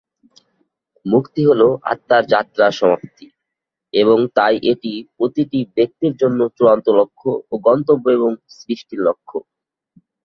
মুক্তি হল আত্মার যাত্রার সমাপ্তি, এবং তাই এটি প্রতিটি ব্যক্তির জন্য চূড়ান্ত লক্ষ্য ও গন্তব্য এবং সৃষ্টির লক্ষ্য।